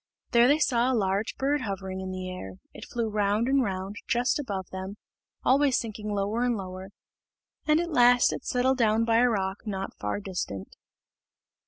There they saw a large bird hovering in the air; it flew round and round just above them, always sinking lower and lower, and at last it settled down by a rock not far distant.